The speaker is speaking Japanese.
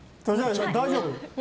大丈夫？